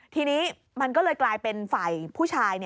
ทีนี้มันก็เลยกลายเป็นฝ่ายผู้ชาย